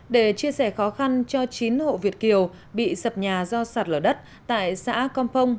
để chia sẻ khó khăn cho chín hộ việt kiều bị sập nhà do sạt lở đất tại xã compong